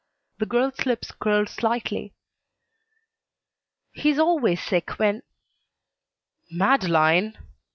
The girl's lips curled slightly. "He's always sick when " "Madeleine!"